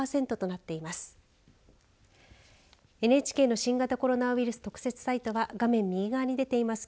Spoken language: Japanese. ＮＨＫの新型コロナウイルス特設サイトは画面右側に出ています